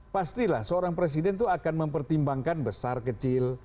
pasti lah seorang presiden itu akan mempertimbangkan besar kecil